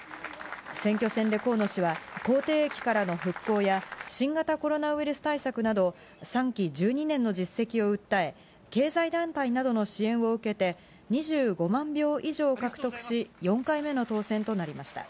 選挙戦で河野氏は、口てい疫からの復興や、新型コロナウイルス対策など、３期１２年の実績を訴え、経済団体などの支援を受けて、２５万票以上を獲得し、４回目の当選となりました。